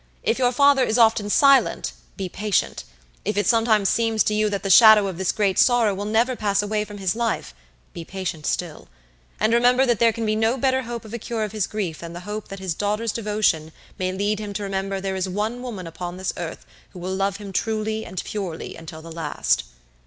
If your father is often silent, be patient; if it sometimes seems to you that the shadow of this great sorrow will never pass away from his life, be patient still; and remember that there can be no better hope of a cure of his grief than the hope that his daughter's devotion may lead him to remember there is one woman upon this earth who will love him truly and purely until the last."